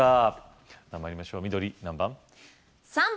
参りましょう緑何番？